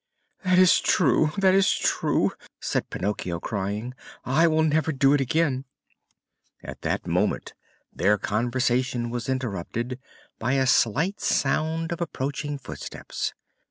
"That is true, that is true!" said Pinocchio, crying. "I will never do it again." At this moment their conversation was interrupted by a slight sound of approaching footsteps.